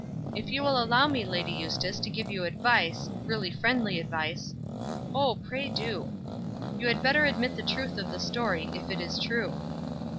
"If you will allow me, Lady Eustace, to give you advice, really friendly advice " "Oh, pray do." "You had better admit the truth of the story, if it is true."